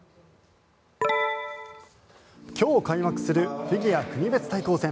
今日開幕するフィギュア国別対抗戦。